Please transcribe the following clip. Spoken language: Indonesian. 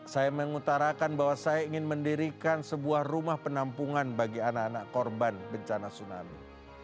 saya mengutarakan bahwa saya ingin mendirikan sebuah rumah penampungan bagi anak anak korban bencana tsunami